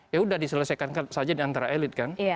ya sudah diselesaikan saja di antara elit kan